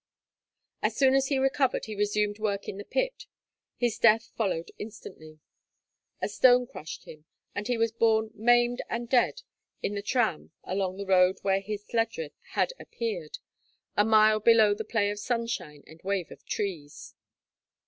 As soon as he recovered he resumed work in the pit; his death followed instantly. A stone crushed him, and he was borne maimed and dead in the tram along the road where his lledrith had appeared, 'a mile below the play of sunshine and wave of trees.'